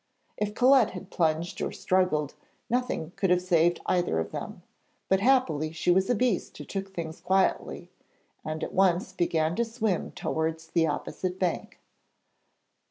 If Colette had plunged or struggled, nothing could have saved either of them, but happily she was a beast who took things quietly, and at once began to swim towards the opposite bank.